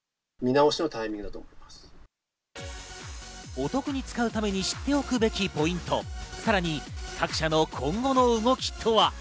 お得に使うために知っておくべきポイントをさらに各社の今後の動きとは。